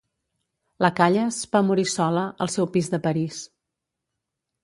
La Callas va morir sola, al seu pis de París.